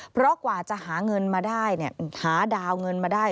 เพราะกว่าจะหาเงินมาได้หาดาวเงินมาได้